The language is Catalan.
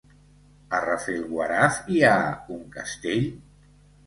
A Rafelguaraf hi ha un castell?